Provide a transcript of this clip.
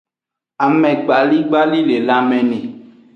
Amegbaligbali le lanme ni.